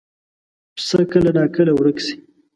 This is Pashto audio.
پسه کله ناکله ورک شي.